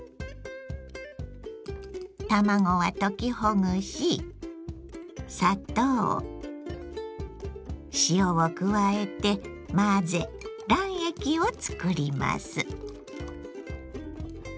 卵は溶きほぐし砂糖塩を加えて混ぜ卵液を作ります。